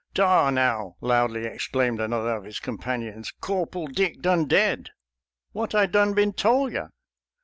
" Daw now !" loudly exclaimed another of his companions ;" Cawpul Dick done dead ! What I done bin tole yer?